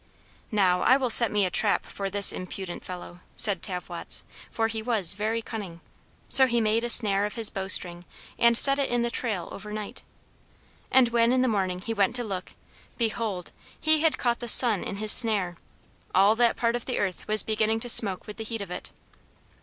"Now I will set me a trap for this impudent fellow," said Tavwots, for he was very cunning. So he made a snare of his bowstring and set it in the trail overnight. And when in the morning he went to look, behold, he had caught the sun in his snare! All that part of the earth was beginning to smoke with the heat of it.